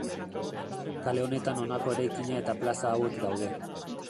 Kale honetan honako eraikina eta plaza hauek daude.